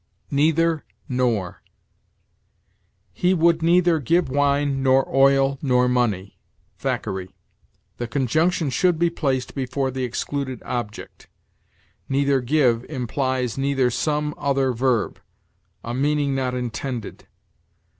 NEITHER NOR. "He would neither give wine, nor oil, nor money." Thackeray. The conjunction should be placed before the excluded object; "neither give" implies neither some other verb, a meaning not intended.